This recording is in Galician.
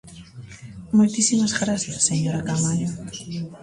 Moitísimas grazas, señora Caamaño.